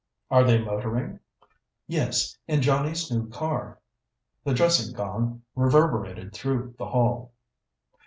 "Are they motoring?" "Yes, in Johnnie's new car." The dressing gong reverberated through the hall.